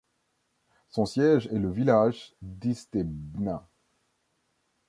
Son siège est le village d'Istebna.